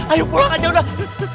ayo pulang aja udah